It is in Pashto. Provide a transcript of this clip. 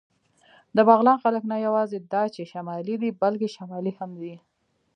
د بغلان خلک نه یواځې دا چې شمالي دي، بلکې شمالي هم دي.